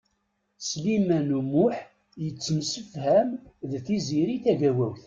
Sliman U Muḥ yettemsefham d Tiziri Tagawawt.